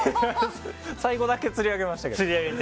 最後だけ、つり上げましたけど。